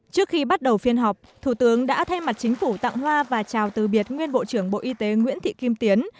trước khi bắt đầu phiên họp thủ tướng đã thay mặt chính phủ tặng hoa và chào từ biệt nguyên bộ trưởng bộ y tế nguyễn thị kim tiến